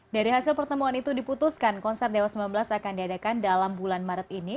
dari hasil pertemuan itu diputuskan konser dewa sembilan belas akan diadakan dalam bulan maret ini